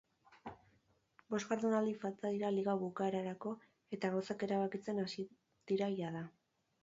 Bost jardunaldi falta dira liga bukaerarako eta gauzak erabakitzen hasi dira jada.